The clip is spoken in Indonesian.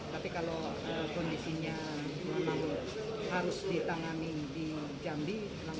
tapi kalau kondisinya harus ditangani di jambi langsung dibawa ke jambi